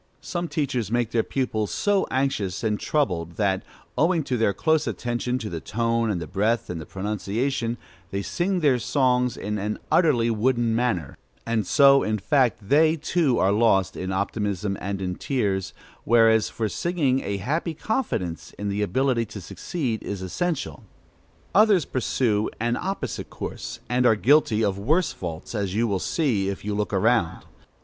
Some teachers make their pupils so anxious and troubled that, owing to their close attention to the tone, and the breath, and the pronunciation, they sing their songs in an utterly wooden manner, and so in fact they, too, are lost in optimism and in tears; whereas, for singing, a happy confidence in the ability to succeed is essential. Others pursue an opposite course, and are guilty of worse faults, as you will see if you look around.